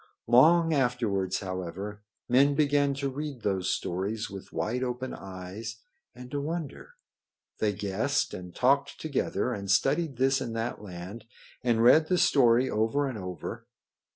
Long afterwards, however, men began to read those stories with wide open eyes and to wonder. They guessed and talked together, and studied this and that land, and read the story over and over.